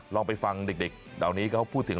ลองไปฟังเด็กเหล่านี้เขาพูดถึง